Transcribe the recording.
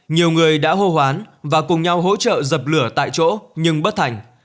nhiều người đã hô hoán và cùng nhau hỗ trợ dập lửa tại chỗ nhưng bất thành